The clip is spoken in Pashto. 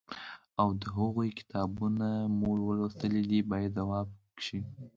او د هغوی کتابونه مو لوستي دي باید ځواب شي.